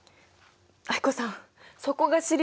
藍子さんそこが知りたい！